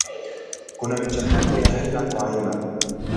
Kuna michakato ya aina kwa aina